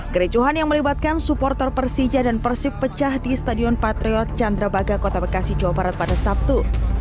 kericuhan yang melibatkan supporter persija dan persib pecah di stadion patriot candrabaga kota bekasi jawa barat pada sabtu